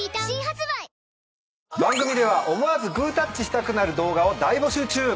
新発売番組では思わずグータッチしたくなる動画を大募集中。